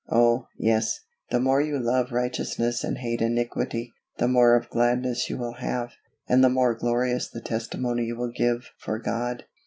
Oh! yes; the more you love righteousness and hate iniquity, the more of gladness you will have, and the more glorious the testimony you will give for God.